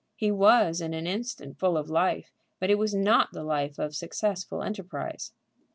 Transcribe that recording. He was in an instant full of life, but it was not the life of successful enterprise.